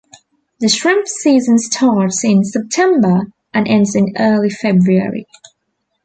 The shrimp season starts in September and ends in early February.